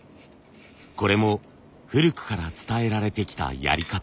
これも古くから伝えられてきたやり方。